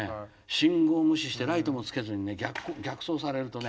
信号無視してライトもつけずにね逆走されるとね。